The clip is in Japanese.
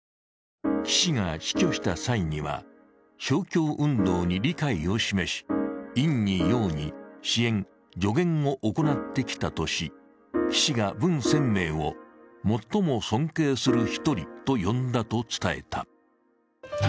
岸が死去した際には勝共運動に理解を示し、陰に陽に支援、助言を行ってきたとし、岸が文鮮明を最も尊敬する一人と呼んだと伝えた。